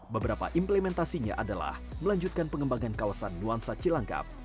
beberapa implementasinya adalah melanjutkan pengembangan kawasan nuansa cilangkap